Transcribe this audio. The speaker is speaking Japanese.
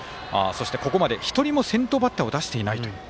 ここまで、１人も先頭バッターを出していないという。